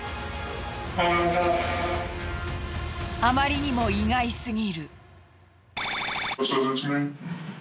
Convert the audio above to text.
あまりにも意外すぎる。